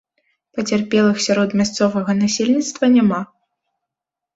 Пацярпелых сярод мясцовага насельніцтва няма.